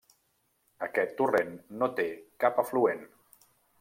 Aquest torrent no té cap afluent.